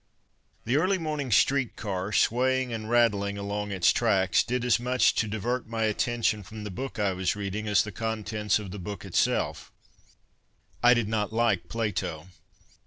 _] The early morning streetcar, swaying and rattling along its tracks, did as much to divert my attention from the book I was reading as the contents of the book itself. I did not like Plato.